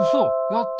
やった！